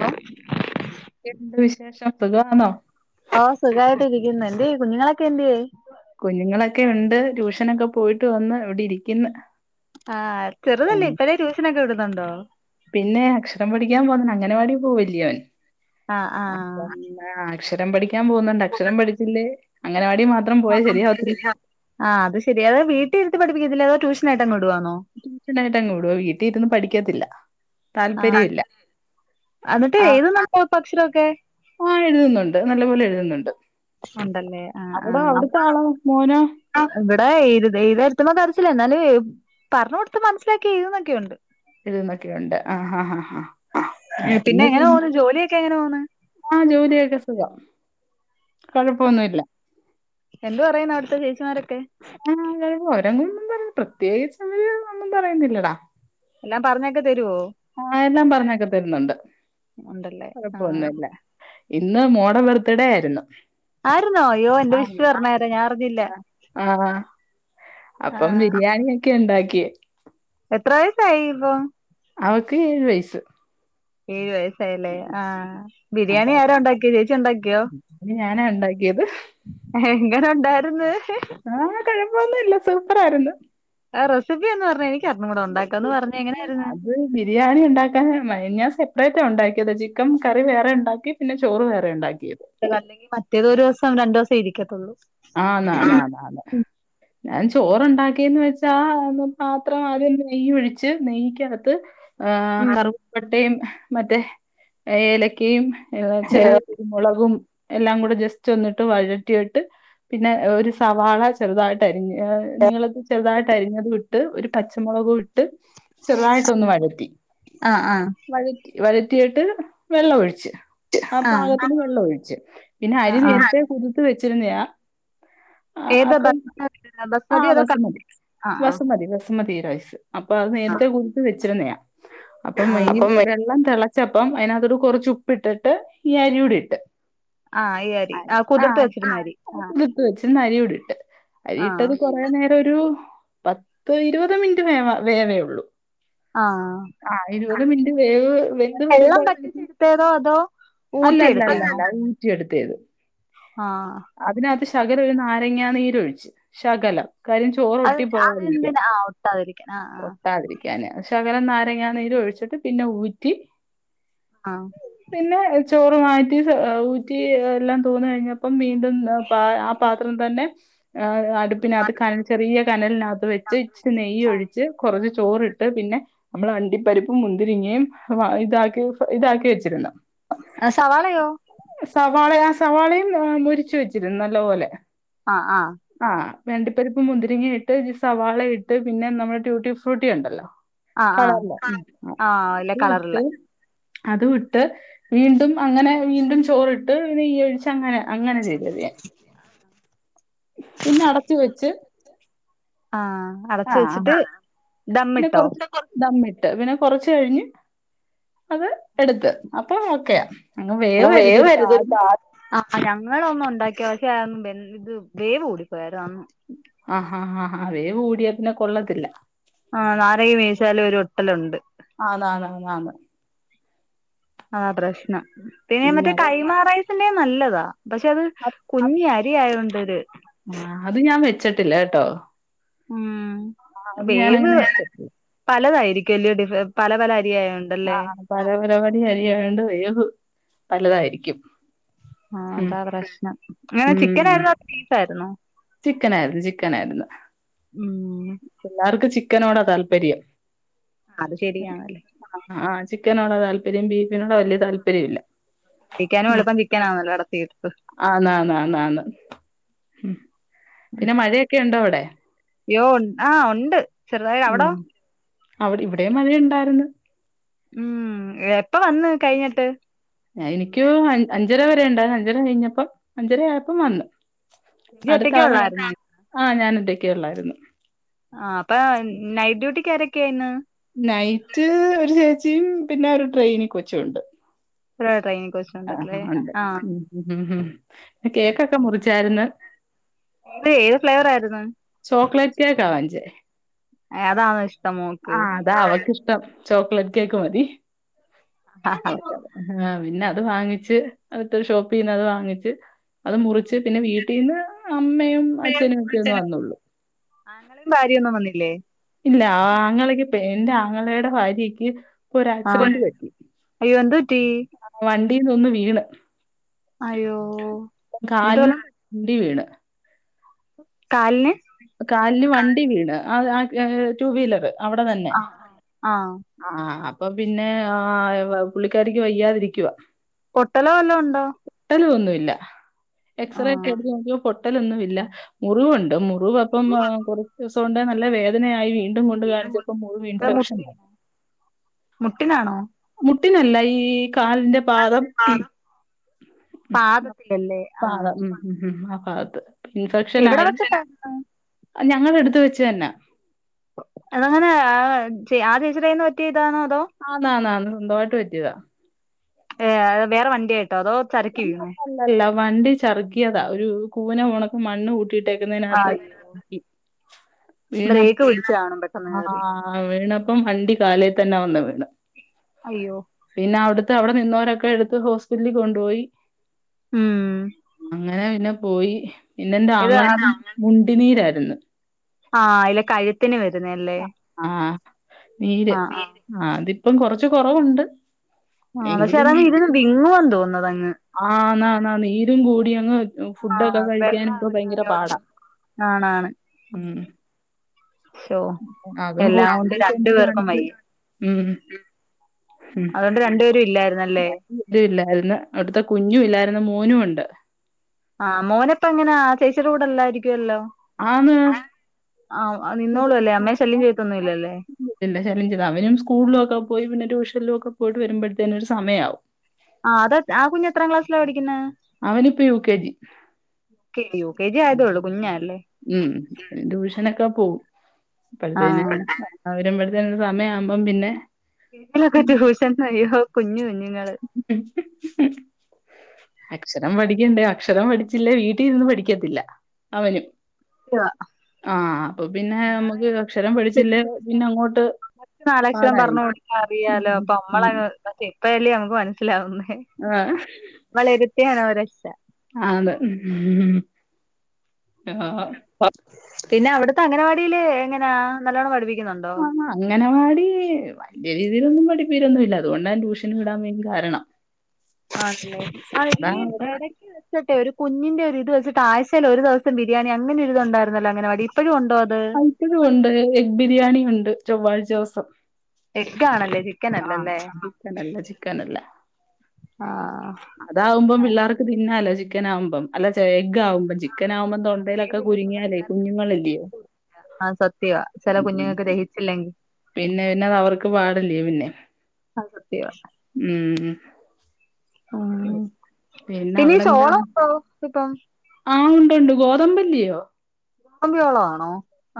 Hello എന്തൊക്കെണ്ട് വിശേഷംസുഖവാന്നോ? ആഹ് സുഖായിട്ട് ഇരിക്കുന്നു എന്തേയ്‌ കുഞ്ഞുങ്ങളൊക്കെഎന്തേയ്‌? കുഞ്ഞുങ്ങളൊക്കെയുണ്ട് ട്യൂഷനൊക്കെപോയിട്ട് വന്ന്ഇവിടെ ഇരിക്കുന്നു. ആഹ് ചെറുതല്ലെഇപ്പഴേ ടുഷനൊക്കെവിടുന്നുണ്ടോ? പിന്നെഅക്ഷരം പടിക്കാൻപോഅങ്ങനെവാടി പോവില്ല്യ അവൻ ആഹ് ആഹ് അപ്പം ആഹ് അക്ഷരം പഠിക്കാൻ പോകുന്നുണ്ട് അക്ഷരംപഠിച്ചില്ലേ അങ്ങലവാടി മാത്രംപോയാ ശരിയാവത്തില്ല ആഹ് അത് ശെരി അത് വീട്ടീരിത്തി പഠപ്പിക്കത്തില്ലേ അതോട്യൂഷണായിട്ട് വിടുവാണോ? ട്യൂഷനായിട്ട് അങ്ങ് വിടുവ വീട്ടിൽ ഇരുന്ന് പഠിക്കത്തില്ല. ആഹ് താല്പര്യം ഇല്ല എന്നിട്ട് എഴുതുന്നുണ്ടോ ഇപ്പൊ അക്ഷരൊക്കെ? ആഹ് എഴുതുന്നുണ്ട് നല്ലപോലെ എഴുതുന്നുണ്ട് ഉണ്ടല്ലേ അവിട ആഹ് അവിടുത്തെ ആളോ മോനോ? ആഹ് ഇവിടെ എഴുതാൻ ഇരുത്തുമ്പോ കരച്ചില എന്നാലും പറഞ്ഞ് കൊടുത്ത് മനസ്സിലാക്കി എഴുതുന്നൊക്കെയുണ്ട്. എഴുതുന്നൊക്കെയുണ്ട് ആഹ് ഹാ ഹാ ഹാ പിന്നെ എങ്ങനെ പോവുന്നു ജോലിയൊക്കെ എങ്ങനെ പോവുന്നു ആ ജോലിയൊക്കെ സുഖാ കുഴപ്പൊന്നുല്ല. എന്ത് പറയുന്നു അവിടുത്തെ ചേച്ചിമാരൊക്കെ? അവരെങ്കും ഒന്നും പറയ പ്രത്യേകിച്ച് അവര് ഒന്നും പറയുന്നില്ലടാ. എല്ലാം പറഞ്ഞൊക്കെ തരുവോ? ആ എല്ലാം പറഞ്ഞേക്കെ തരുന്നുണ്ട് ഉണ്ടല്ലേ ആഹ് കൊഴപ്പൊന്നുല്ല. ഇന്ന് മോൾടെ ബർത്ത്ഡേ ആയിരുന്നു. ആരുന്നോ അയ്യോ എന്റെ വിഷ് പറഞ്ഞേരെ ഞാൻ അറിഞ്ഞില്ല. ആഹ്. അപ്പം ആഹ് ബിരിയാണിയൊക്കെ ഉണ്ടാക്കി. എത്ര വയസ്സായി ഇപ്പം? അവക്ക് ഏഴ് വയസ്സ്. ഏഴ് വയസ്സായല്ലേ ആഹ് അപ്പൊ ബിരിയാണി ആര ഉണ്ടാക്കിയ ചേച്ചി ഉണ്ടാക്കിയോ? അതിന് ഞാനാ ഉണ്ടാക്കിയത്. എങ്ങനെ ഉണ്ടായിരുന്ന്? ആഹ് കോഴപ്പൊന്നുല്ല സൂപ്പറായിരുന്നു. ആഹ് റെസിപ്പിഒന്ന് പറഞ്ഞേ എനിക്കർഞ്ഞൂട ഒണ്ടാക്കാൻ ഒന്ന് പറഞ്ഞേ എങ്ങനായിരുന്നു. ബിരിയാണിഉണ്ടാക്കാന് ഞാൻ സെപ്പറേറ്റാണ്ഉണ്ടാക്കിയത് ചിക്കെൻ കറിവേറെ ഉണ്ടാക്കിപിന്നെ ചോർ വേറെ ഉണ്ടാക്കിയത്. അല്ലെങ്കിൽ മറ്റേത് ഒരു ദിവസം രണ്ടു ദിവസം ഇരിക്കത്തുള്ളൂ. ആന്ന് ആന്ന് ആന്ന് ആന്ന്. ഞാൻ ചോറുണ്ടാക്കിയന്ന് വെച്ചാ പാത്രം ആദ്യം നെയ്യ ഒഴിച്ച് നെയ്യ്ക്കകത്ത് ഉം കറുവപ്പട്ടയും മറ്റേ ഏലക്കയും ചെറിയ കുരുമുളകും എല്ലാം കൂടെ ജസ്റ്റ് ഒന്നിട്ട് വഴട്ടിയിട്ട് പിന്നെ ഒരു സവാള ചെറുതായിട്ട് അരിഞ്ഞ് നീളത്തിൽ ചെറുതായിട്ട് അരിഞ്ഞത് ഇട്ട് ഒരു പച്ചമുളക് ഇ ട്ട് ചെറുതായിട്ടൊന്ന് വഴറ്റി. ആഹ് ആഹ് വഴറ്റി വഴറ്റിയിട്ട് വെള്ളം ഒഴിച്ച്. ആ ആഹ് പാകത്തിന് വെള്ളം ഒഴിച്ചു പിന്നെ അരി ആഹ് ആഹ് നേരത്തെ കുതിർത്ത് വെച്ചിരുന്നയാ. ആ ഏതാ അപ്പം ബസ്മതി ആ അതോ കടല ബസ്മതി ആഹ് ബസ്മതി ബസ് മതി റൈസ് അപ്പൊ അത് ആഹ് നേരത്തെ കുതിർത്തി വെച്ചിരുന്നയാ അപ്പം ഈ ആഹ് വെള്ളം തിള ചപ്പം അതിനകത്തോട് കുറച്ച് ഉപ്പ് ഇട്ടിട്ട് ഈ അരി കൂടി ഇട്ട്. ആഹ് ഈ അരി ആ കുതിർത്തി വെച്ചിരുന്ന അരി. ആഹ് ഇട്ട് വെച്ചിരുന്ന അരി കൂടിട്ട് അരി ഇട്ടത് ആഹ് കൊറേ നേര ഒരു പത്ത് ഇരുപത് മിനിറ്റ് വേ വേവേയുള്ളൂ. ആഹ് ആ ഇരുപത് മിനിറ്റ് വേവ് വെന്ത് വെള്ളം വരുമ്പോഴ വറ്റിച്ചെടുത്തേതോ അതോ ഊറ്റിയെടുത്തയാണോ അല്ലല്ലല്ലല്ല ഊറ്റിയെടുത്തേത്. ആഹ്. അതിനകത്ത് ശകലം ഒരു നാരങ്ങ നീരൊഴിച്ചു ശകലം. കാര്യം ചോറ് അത് ഒട്ടി പോവാതിരിക്കാൻ അതെന്തിനാ ആ ഒട്ടാതിരിക്കാൻ ആഹ് ആഹ് ഒട്ടാതിരി ക്കാന് ശകലം നാരങ്ങാ നീര് ഒഴിച്ചിട്ട് പിന്നെ ഊറ്റി ആഹ്. പിന്നെ ചോറ് മാറ്റി ഊറ്റി എല്ലാം തോന്ന കഴിഞ്ഞപ്പം വീണ്ടും ആ പാത്രം തന്നെ അടു പ്പിനാത്ത് കനൽ ചെറിയ കനലിനകത്ത് വെച്ച് ഇച്ചിരി നെയ്യ് ഒഴിച്ച് കുറച്ച് ചോറിട്ട് പിന്നെ നമ്മൾ അണ്ടിപ്പരിപ്പും മുന്തിരിങ്ങയും ഇതാക്കി ഇതാക്കി വെച്ചിരുന്നു. സവാളയോ? സവാള ആ സവാളയും മെരിച്ച് വെച്ചിരുന്നു നല്ല പോലെ ആഹ് ആഹ്. ആഹ് അണ്ടിപ്പരിപ്പ് മുന്തിരിങ്ങ ഇട്ട് സവാള ഇട്ട് പിന്നെ നമ്മുടെ ട്യൂട്ടി ഫ്രൂട്ടി ഉണ്ടല്ലോ. ആ ആ കളർല്ലെ ആ ഇല്ല അതും കളറില് ഇട്ട് അത് വിട്ട് വീണ്ടും അങ്ങനെ വീണ്ടും ചോറിട്ട് നെയ്യ് ഒഴിച്ച് അങ്ങനെ അങ്ങനെ ചെയ്തേത് ഞാൻ പിന്നെ അടച്ചു വെച്ച് ആഹ് അടച്ചു ആ വെച്ചിട്ട് പിന്നെ ദമ്മിട്ടോ? കുറച്ച് ദമ്മിട്ട് പിന്നെ കൊറച്ച് കഴിഞ്ഞ് അത് എടുത്ത് അപ്പൊ ഓക്കെയ അങ്ങ് വേവരുത് ഒരു പാതി ആഹ് ഞങ്ങള ഒന്ന് ഉണ്ടാക്കിയ പക്ഷെ ഇത് വേവ് കൂടിപ്പോയായിരുന്നു അന്ന് ആഹ് ആഹാ ആഹ് അവേ കൂടിയതിനെ കൊള്ളത്തില്ല ആഹ് നാരകി വീശാലും ഒരു ഒട്ടലുണ്ട്- ആണ് ആണ് ആണ് ആഹ് പ്രശ്നം പിന്നെ മറ്റേ കൈമാറായസിന്റെ നല്ലതാ പക്ഷെ അത് കുഞ്ഞിയി ശരി ആയിട്ട് ഒരു ആഹ് അത് ഞാൻ വെച്ചിട്ടില്ല കേട്ടോ- ഉം ആ അത് വേവ് ഞാനങ്ങനെ വെച്ചിട്ടില്ല പലതായിരിക്കുംല്യോ ഡിഫ പല പല അരിയയുണ്ട്- ആഹ് പല പരിപാടി അരി ആയോണ്ട് വേവ് പലതായിരിക്കും. ആഹ് ഉം അതാ പ്രശ്നം അങ്ങനെ ചിക്കൻ ആയിരുന്നോ അതോ ബീഫ് ആയിരുന്നോ? ചിക്കൻ ആയിരുന്നു ചിക്കനായിരുന്നു. ഉം. പിള്ളേർക്ക് ചിക്കനോടാ താല്പര്യം- ആഹ് അത് ശരിയാണല്ലേ ആഹ് ചിക്കനോട് താല്പര്യം ബീഫിനോട് വലിയ താല്പര്യം ഇല്ല. കിക്കാനും എളുപ്പം തിക്കാനാവുമല്ലോ അടത്തിെടുത്ത്- ആണ് ആണ് പിന്നെ മഴയൊക്കെ ഉണ്ടോ അവിടെ? അയ്യോ ആഹ് ഉണ്ട്- ചെറുതായി അവിടോ ഉം അവിടെ ഇവിടെ മഴ ഉണ്ടായിരുന്നു- ഉം എപ്പ വന്ന് കഴിഞ്ഞിട്ട്? എനിക്ക് അഞ്ചര വരെുണ്ടായി അഞ്ചര കഴിഞ്ഞപ്പ അഞ്ചര ആയപ്പോം വന്നു. ഇജ് അടുത്ത ഒറ്റക്കെ ആള ഉള്ളായിരുന്നോ ആഹ് ഞാന ഒറ്റക്ക്ക്കെയ ഉള്ളായിരുന്നു. ആഹ് അപ്പൊ നൈറ്റ് ഡ്യൂട്ടിക്ക് ആരൊക്കെയയിന്ന്? നൈറ്റ് ഒരു ചേച്ചിയും പിന്നെ ഒരു ട്രെയിനി കൊച്ചും ഉണ്ട്. ട്രെയിനിങ് കോ ആഹ് ഉണ്ട് ഉം കേക്കൊക്കെ മുറിച്ചായിരുന്നു- എഹ് ഏത് ഫ്ലേവർ ആയിരുന്നു? ചോക്ലേറ്റ് കേക്കാ വാങ്ച്ചേ- ആഹ് അതാ ഇഷ്ടം മോൾക്ക്? അതാ അവക്കിഷ്ടം ചോക്ലേറ്റ് കേക്ക് മതി- ആഹ് ആഹ് പിന്നെ അത് വാങ്ങിച്ച് അടുത്ത ഷോപ്പ് ചെയന്ന അത് വാങ്ങിച്ച് അത് മുറിച്ച് പിന്നെ വീട്ടിൽന്ന് അമ്മയും അച്ഛനും ഒക്കെ ഒന്ന് വന്നള്ളു- ആങ്ങളെയും ഭാര്യൊന്നും വന്നില്ലേ? ഇല്ല ആങ്ങളക്ക് എന്റെ ആങ്ങളയുടെ ഭാര്യക്ക്- ഇപ്പൊ ആ ഒരുരാക്സിഡന്റ് പറ്റി അയ്യോ എന്ത് പറ്റി വണ്ടിന്ന് ഒന്ന് വീണ് അയ്യോ എന്നിട്ട് കാലിൽ വല്ലോം വണ്ടി വീണ് കാല്ന്- കാലിന് വണ്ടി വീണ് ആഹ് ആഹ് ടു വീലറ് ആഹ് ആഹ് ആഹ് അപ്പൊ പിന്നെ പുള്ളിക്കാരിക്ക് വയ്യാതിരിക്കവാ പൊട്ടല വല്ല ഉണ്ടോ? പൊട്ടല് ഒന്നുഇല്ല എക്സറേ ഒക്കെ ആ എടുത്ത് നോക്കിയപ്പോ പൊട്ടലൊന്നുഇല്ല മുറിവുണ്ട് മു മുവ് അപ്പം അ കുറച്ച് ദിവസഒണ്ടേ നല്ല വേദനയായി വീണ്ടും കൊണ്ട് കാണിച്ചപ്പോ മുറിവ് ഇൻഫെക്ഷൻ ആ മുട്ടിനാണോ? മുട്ടിനല്ല ഈ കാലിന്റെ പാദം ആഹ് പാദത്തിലല്ലേ ആഹ് പാദം. ഉം, ഉം ഹ് ഹ് ആഹ് ഭാഗത്ത് ഇൻഫെക്ഷൻ ആയി വെച്ചിട്ടായിരുന്നു ഞങ്ങളെടുത്ത് വെച്ചതന്ന അതെങ്ങന ആ ച്ച് ആ ചേച്ചിടെ കയിന്ന് പറ്റിയതാണോ അതോ ആന്ന് ആന്ന് ആന്ന് സ്വന്തമായിട്ട് പറ്റിയതാ ഏഹ് വേറെ വണ്ടിയായിട്ടോ അതോ ചരക്കി വീണോ അല്ലല്ല വണ്ടി ചറുക്കിയതാ ഒരു കൂന പോണക്ക് മണ്ണ് ആ കൂട്ടിയിട്ടേക്കുന്നേനാത്ത് ബ്രേക്ക് പിടിച്ച് കാണും പെട്ടെന്ന് കേറി ആഹ് വീണപ്പം വണ്ടി കാലേ തന്ന വന്ന് വീണ് അയ്യോ പിന്നെ അവിടുത്തെ അവിടെ നിന്നോരൊക്കെ എടുത്ത് ഹോസ്പിറ്റലി കൊണ്ടുപോയി ഉം അങ്ങനെ പിന്നെ പോയി പിന്നെന്റെ ഇത് ആങ്ങളനും മുണ്ടിനീരാര്ന്ന് ആഹ് ഇല കഴുത്തിന് വരുന്നല്ലേ ആഹ് നീര് ആ ആ ആതിപ്പം കൊറച്ച് കൊറവുണ്ട് ആഹ് പക്ഷെ എങ്കിലും അതങ്ങ് ഇരുന്ന് ബിങ്ങുന്ന് തോന്ന് അതങ്ങ് ആഹ് നാ നാ ന്ന് നീരും കൂടി അങ് ആ ഫുഡൊക്കെ കഴിക്കാൻ വെള്ളം ഇപ്പ പയങ്കര ഇറക്കാനോ പാടാ ഒന്നും ആണാണ് ഉം ശോ അതും എല്ലാംഒണ്ട് ഹോസ്പിറ്റലിൽ രണ്ടു കൊണ്ട് പേർക്കും കാണിച്ച്. വയ്യേ ഉം. അതൊണ് ഇപ്പ രണ്ടുപേരും ഇല്ലാരുന്നല്ലേ ഇല്ല ഇല്ല ഇല്ലാ അവിടുത്തെ കുഞ്ഞും ഇല്ലാരുന്ന് മോനും ഉണ്ട് ആഹ് മോനപ്പ എങ്ങന ചേച്ചിടെ കൂടെഅല്ലാരിക്കുവല്ലോ ആന്ന് എഹ് ആഹ് നിന്നോളും അല്ലേ അമ്മേ ശല്യം ചെയ്ത്തൊന്നും ഇല്ല അല്ലേ ഇല്ലില്ല ശല്യം ചെയ്ത അവനും സ്കൂളിലുഒക്കെ പോയി പിന്നെ ട്യൂഷനിലുഒക്കെ പോയിട്ട് വരുമ്പോഴ്ത്തേനും ഒരു സമയാവും ആഹ് അത ആഹ് കുഞ്ഞു എത്രാം ക്ലാസ്സിലാ പഠിക്കുന്നേ അവനിപ്പോ യു കെ ജി ക്കില്ലിയോ യു കെ ജി ആയതൊള്ളൂ കുഞ്ഞാല്ലേ ഉം ട്യൂഷനൊക്കെ പോവും അപ്പോഴ്ത്തേന് ആഹ് അവരുമ്പഴ്ത്തേന് ഒരു സമയാമ്പം പിന്നെ ഇപ്പലൊക്കെ ട്യൂഷൻ കഴിയോ കുഞ്ഞ് കുഞ്ഞുങ്ങള് അക്ഷരം പഠിക്കണ്ടേ അക്ഷരം പഠിച്ചില്ലേ വീട്ടീരുന്ന് പഠിക്കത്തില്ല അവനും ല്ല ആഹ് അപ്പൊ പിന്നെ അമുക്ക് അക്ഷരം പഠിച്ചില്ലേ പിന്ന അങ്ങോട്ട് കൊച്ച് നാലക്ഷരം പാടായിരിക്കും പറഞ്ഞോട്ത്താ അറിയാലോ ഉം അപ്പൊ അമ്മളേ ഉം പക്ഷേ ഇപ്പഴല്ലിയോ നമുക്ക് മനസ്സിലാവുന്നേ ആഹ് നമ്മളെരുത്തിയാണ് ഓ രക്ഷ അതെ മ് മ് യാഹ് പിന്ന അവിടത്തെ അംഗനവാടീല് എങ്ങനാ നല്ലോണ്ണം പഠിപ്പിക്കുന്നുണ്ടോ അങ്ങനവാടി വല്യയ രീതിയിലൊന്നും പഠിപ്പീരൊന്നും ഇല്ല അതുകൊണ്ട ഞാന് ട്യൂഷൻ വിടാൻ മെയിൻ കാരണം ആണ് ല്ലേ അഹ് ഈ അതാ എ വി സി ച്ചട്ടെ ഒരു കുഞ്ഞിന്റെ ഒരു ഇത് വെച്ചിട്ട് ആഴ്ചേൽ ഒരു ദിവസം ബിരിയാണി അങ്ങനെഒരിതൊണ്ടാരുന്നല്ലോ അങ്ങനെവാടി ഇപ്പോഴും ഉണ്ടോ അത് ആഹ് ഇപ്പഴും ഒണ്ട് എഗ് ബിരിയാണി ഒണ്ട് ചൊവ്വാഴ്ചോസം എഗ്ഗാണല്ലേ ചിക്കൻ അല്ലല്ലേ ചിക്കനല്ല, ചിക്കനല്ല. ആഹ് അതാവുമ്പം പിള്ളാർക്ക് തിന്നാലോ ചിക്കൻ ആവുമ്പം അല്ല ച് എഗ് ആവുമ്പം ചിക്കൻ ആകുമ്പോം തൊണ്ടയിലൊക്കെ കുരുങ്ങിയാലേ കുഞ്ഞുങ്ങളല്ലയോ അഅ്സത്യവാ ചില ഉം. കുഞ്ഞുങ്ങൾക്ക് ദഹിച്ചില്ലെങ്കി പിന്നെ പിന്നെ അത് അവർക്ക് പാടല്ലേ പിന്നെ അത് സത്യവാ ഉം ഉം പിന്നീ ചോളോ ഉണ്ടോ ഇപ്പം ആഹ് ഉണ്ടുണ്ട് ഗോതമ്പില്ലയോ കമ്പിഉള്ളതാണോ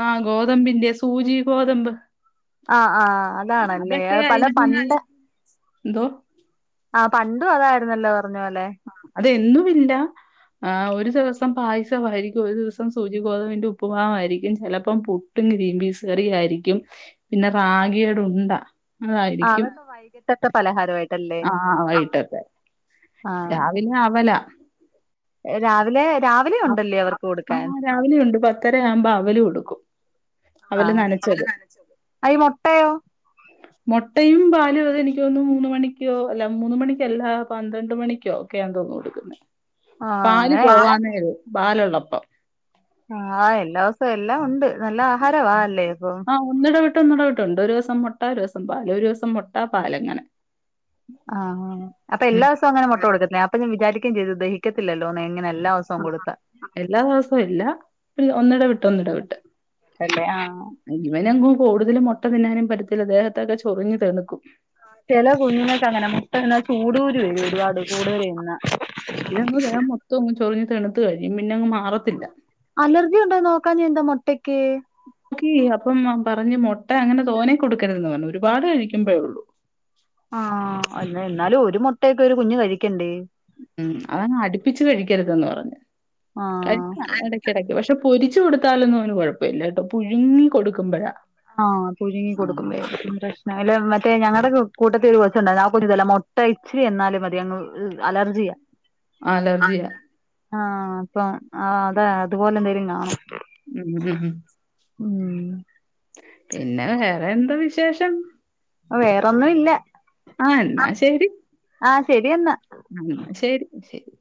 ആഹ് ഗോതമ്പിന്റെ സൂചി ഗോതമ്പ് ആഹ് ആഹ് അതാണല്ലേ അതൊക്കെ അഅ് പല ആയിരിക്കും. പണ്ട് എന്തോ? ആഹ് പണ്ടും അതായിരുന്നല്ലോ പറഞ്ഞപോലെ അതെന്നുവില്ല ആഹ് ഒരു ദിവസം പായസവായിരിക്കും, ഒരു ദിവസം സൂചി ഗോതമ്പിന്റെ ഉപ്പ്മാവായിരിക്കും ചെലപ്പം പു ട്ടും ഗ്രീൻ പീസ് കറിയുവായിരിക്യും. പിന്നെ റാഗിയടുണ്ട ആഹ് അതൊക്കെ വൈകിട്ടത്തെ പലഹാരവായി ആഹ് വൈകീട്ടത്തെ ആഹ് രാവിലെ അവലാ രാവിലെ രാവ് ആഹ് ആഹ് രാവിലെയും ഉണ്ട് പത്തരയാവുമ്പോ അവല് കൊടുക്കും ആഹ് അവല് നനച്ചത്. അയി മുട്ടയോ മുട്ടയും പാലും അത് എനിക്കോന്ന്ണു മൂന്ന് മണിക്കോ അല്ല മൂന്ന് മണിക്കല്ല പന്ത്രണ്ട് മണിക്കോ ക്കയാന്ന് തോന്നുന്നു കൊടുക്കുന്നെ. ആഹ് പാല് അങ്ങനെ എല്ലാ പോവാന്നേരം പാലുള്ളപ്പം ആഹ് എല്ലാ ഓസം എല്ലാം ഒണ്ട് നല്ല ആഹാരവാ അല്ലേ അപ്പൊ ആഹ് ഒന്നിടവിട്ട് ഒന്നിടവിട്ടുണ്ട് ഒരു ദിവസം മുട്ട ഒരു ദിവസം പാല് ഒരു ദിവസം മുട്ട പാല്അങ്ങനെ ആഹാ അപ്പൊ എല്ലാ ദിവസവും അങ്ങനെ മുട്ട കൊടുക്കത്തില്ലേ അപ്പോ ഞാ വിചാരിക്കേം ചെയ്തു ദഹിക്കത്തില്ലല്ലോ ന്ന് എങ്ങനെ എല്ലാ ദിവസവും ആഹ് കൊടുത്താ എല്ലാ ദിവസവും ഇല്ല പ്പ് ഒന്നട വിട്ട് ഒന്നട വിട്ട് തന്നെ ആഹ് ഇവനെങ്ങും കൂടുതലും മുട്ട തിന്നാനും പറ്റത്തില്ല ദേഹത്തൊക്കെ ചൊറിഞ്ഞ് തെണുക്കും ചെല കുഞ്ഞുങ്ങക്ക്‌ അങ്ങനാ മുട്ട തിന്നാ ചൂടൂകുരു വരും ഒരുപാട് കൂടുതൽ തിന്നാ ഇതങ് ദേഹം മൊത്തം അങ്ങ് ചൊറിഞ്ഞ് തെണുത്തു കഴിയും പിന്നെങ് മാറത്തില്ല അലർജി ഉണ്ടോന്ന് നോക്കാഞ്ഞെ ന്താ മുട്ടക്ക് ക്കി അപ്പം പറഞ്ഞ് മുട്ട അങ്ങനെ തോനെ കൊടുക്കരുതെന്ന് പറഞ്ഞു ഒരുപാട് കഴിക്കുമ്പോഴേ ഉള്ളൂ ആഹ് എന്ന എന്നാലും ഒരു മുട്ടയൊക്കെ ഒരു കുഞ്ഞ് കഴിക്കണ്ടേ ഉം അതാണ് അടുപ്പിച്ച് കഴിക്കരുതെന്ന്പറഞ്ഞ്. ആഹ് കഴിക്കാം എടക് ക്കെടക്ക്, പക്ഷെ പൊരിച്ച് കൊടുത്താലൊന്നും അവന് കുഴപ്പവില്ല, ട്ടോ പുഴുങ്ങി കൊടുക്കുമ്പഴാ ആഹ് പുഴുങ്ങി ആഹ് കൊടുക്കുമ്പഴ ന്നെങ്കില് മറ്റേ ഞങ്ങടെ കൂട്ടത്തിൽ ഒരു കൊച്ചുണ്ടായിന്നു ആ കൊച്ച് ണ്ടല്ലോ മുട്ടഇച്ചിരി ചെന്നാലും മതി അങ്ങ് അലർജിയാ അലർജിയാ ആഹ് അപ്പം ആഹ് അതാ അതുപോലെ ന്തേലും കാണും. ഉം ഉം ഉം ഉം ഉം പിന്നെ വേറെ എന്ത വിശേഷം ഓ വേറൊന്നു ഇല്ല ആഹ് എന്നാ ശരി ആഹ് ശരി എന്നാ അന്നാ ശരി ശരി